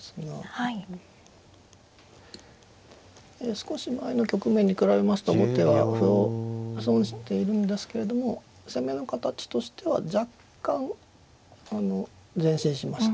少し前の局面に比べますと後手は歩を損しているんですけれども攻めの形としては若干あの前進しました。